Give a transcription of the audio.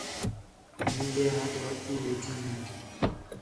مینجے ہتھ وٹھتی ویٹھی ہی